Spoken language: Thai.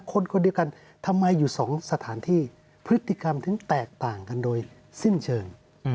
คนคนเดียวกันทำไมอยู่สองสถานที่พฤติกรรมถึงแตกต่างกันโดยสิ้นเชิง